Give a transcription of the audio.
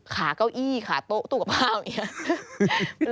ขาเก้าอี้ขาโต๊ะตู้กระเปร้าอีกอย่าง